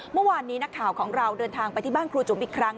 เมื่อวานนี้นักข่าวของเราเดินทางไปที่บ้านครูจุ๋มอีกครั้ง